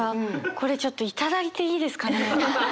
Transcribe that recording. これちょっと頂いていいですかね？